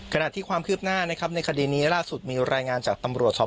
ขณะที่ความคืบหน้านะครับในคดีนี้ล่าสุดมีรายงานจากตำรวจสอบ